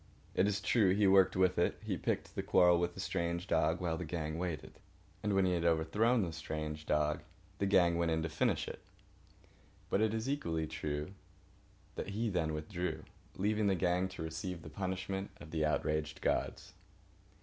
It is true, he worked with it. He picked the quarrel with the strange dog while the gang waited. And when he had overthrown the strange dog the gang went in to finish it. But it is equally true that he then withdrew, leaving the gang to receive the punishment of the outraged gods.